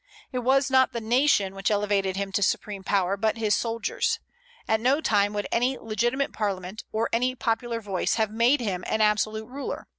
It was not the nation which elevated him to supreme power, but his soldiers. At no time would any legitimate Parliament, or any popular voice, have made him an absolute ruler.